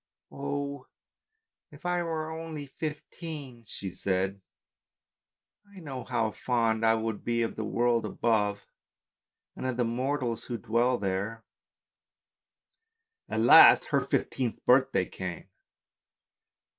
"Oh! if I were only fifteen!" she said, "I know how fond I shall be of the world above, and of the mortals who dwell there." At last her fifteenth birthday came.